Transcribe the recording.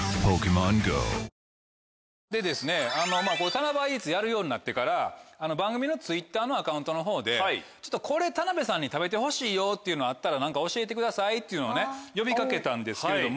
・タナバーイーツやるようになってから番組のＴｗｉｔｔｅｒのアカウントのほうでこれ田辺さんに食べてほしいよっていうのあったら教えてくださいっていうのを呼び掛けたんですけれども。